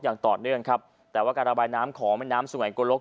อย่างต่อเนื่องครับแต่ว่าการระบายน้ำของแม่น้ำสุงัยโกลก